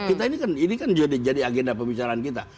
kita ini kan jadi agenda pembicaraan kita